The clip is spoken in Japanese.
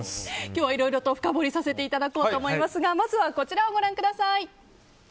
今日はいろいろ深掘りさせていただきますがまずはこちらをご覧ください。